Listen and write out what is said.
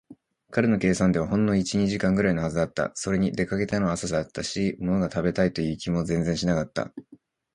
彼の計算ではほんの一、二時間ぐらいのはずだった。それに、出かけたのは朝だったし、ものが食べたいという気も全然しなかった。